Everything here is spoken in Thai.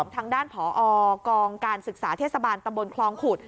ทางด้านผอกองการศึกษาเทศบาลตำบลคลองขุด